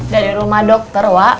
dari rumah dokter wak